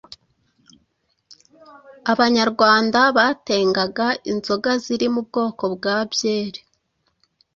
abanyarwanda batengaga inzoga ziri mu bwoko bwa byeri.